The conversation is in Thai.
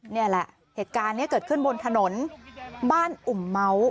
นี่แหละเหตุการณ์นี้เกิดขึ้นบนถนนบ้านอุ่มเมาส์